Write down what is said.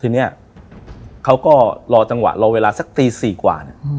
ทีนี้เขาก็รอจังหวะรอเวลาสักตี๔กว่าเนี่ย